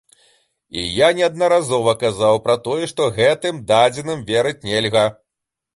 І я неаднаразова казаў пра тое, што гэтымі дадзеным верыць нельга.